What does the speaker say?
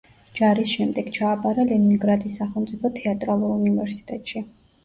ჯარის შემდეგ ჩააბარა ლენინგრადის სახელმწიფო თეატრალურ უნივერსიტეტში.